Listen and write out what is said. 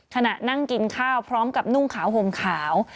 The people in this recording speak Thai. ขณะนั่งกินข้าวพร้อมกับนุ่งขาวห่มขาว